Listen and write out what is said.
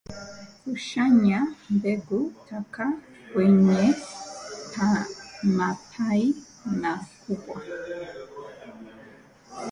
Kusanya mbegu toka kwenye mapai makubwa